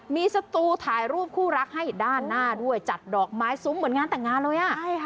มีสตูถ่ายรูปคู่รักให้ด้านหน้าด้วยจัดดอกไม้ซุ้มเหมือนงานแต่งงานเลย